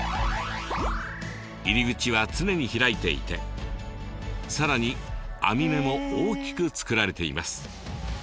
入口は常に開いていてさらに網目も大きく作られています。